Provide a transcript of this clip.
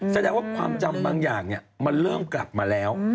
แสดงว่าความจำบางอย่างมันเริ่มกลับมาแล้ว